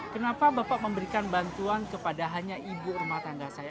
kenapa bapak memberikan bantuan kepada hanya ibu rumah tangga saya